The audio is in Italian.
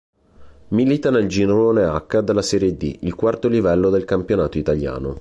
Milita nel girone H della Serie D, il quarto livello del campionato italiano.